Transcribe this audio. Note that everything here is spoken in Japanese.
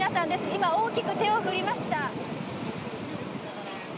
今、大きく手を振りました。